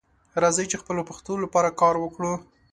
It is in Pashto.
راځئ چې خپلې پښتو لپاره کار وکړو